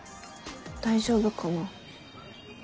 大丈夫かな。